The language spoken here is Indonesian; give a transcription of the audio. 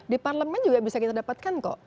di parlemen juga bisa kita dapatkan kok